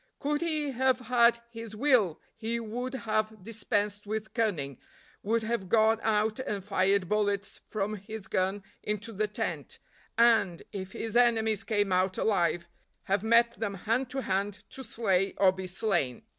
Could he have had his will he would have dispensed with cunning, would have gone out and fired bullets from his gun into the tent, and, if his enemies came out alive, have met them hand to hand to slay or be slain.